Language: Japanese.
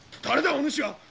お主は？